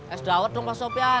es dawet dong pak sopyan